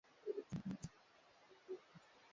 tenga pembeni viazi vyako